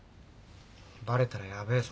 バレたらヤベえぞ。